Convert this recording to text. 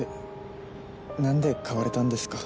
なんで変われたんですか？